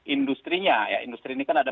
industri nya ya industri ini kan ada